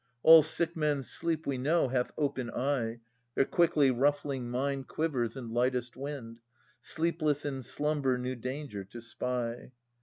All sick men's sleep, we know, Hath open eye ; Their quickly ruffling mind Quivers in lightest wind, Sleepless in slumber new danger to spy.